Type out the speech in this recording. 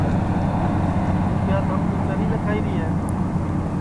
ہوں کیا تھمکُو چری لکھائی ری ہے